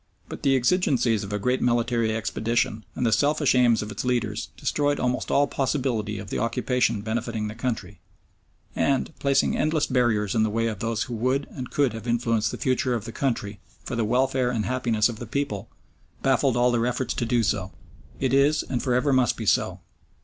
But the exigencies of a great military expedition and the selfish aims of its leaders destroyed almost all possibility of the occupation benefiting the country, and, placing endless barriers in the way of those who would and could have influenced the future of the country for the welfare and happiness of the people, baffled all their efforts to do so. It is, and for ever must be so.